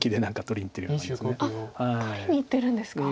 取りにいってるんですか。